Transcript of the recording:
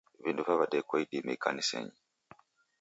Vindo vaw'edekwa idime ikanisenyi